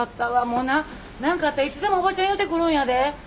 もうな何かあったらいつでもおばちゃんに言うてくるんやで。